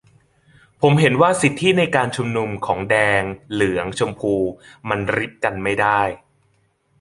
ผมเห็นว่าสิทธิในการชุมนุมของแดงเหลืองชมพูมันริบกันไม่ได้